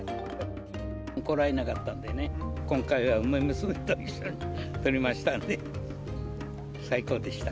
来られなかったのでね、今回は梅大使と写真も撮れましたので、最高でした。